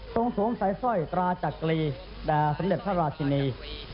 สวมสายสร้อยตราจักรีแด่สมเด็จพระราชินี